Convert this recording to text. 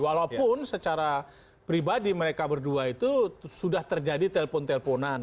walaupun secara pribadi mereka berdua itu sudah terjadi telpon telponan